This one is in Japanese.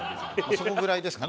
そこぐらいですかね。